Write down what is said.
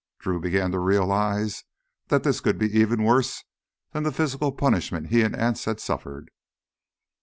Drew began to realize that this could be even worse than the physical punishment he and Anse had suffered.